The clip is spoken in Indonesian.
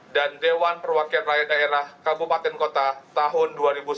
dan dewan perwakilan rakyat daerah kabupaten kota tahun dua ribu sembilan belas